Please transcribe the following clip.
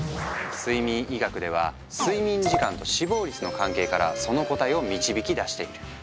睡眠医学では睡眠時間と死亡率の関係からその答えを導き出している。